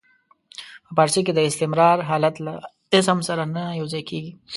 په فارسي کې د استمرار حالت له اسم سره نه یو ځای کیږي.